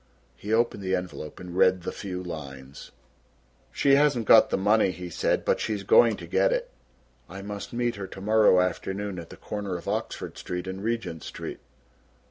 He opened the envelope and read the few lines. "She hasn't got the money," he said, "but she's going to get it. I must meet her to morrow afternoon at the corner of Oxford Street and Regent Street."